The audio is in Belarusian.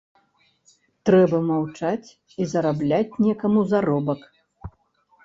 Трэба маўчаць і зарабляць некаму заробак.